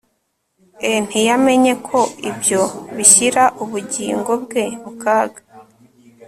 e ntiyamenye ko ibyo bishyira ubugingo bwe mu kaga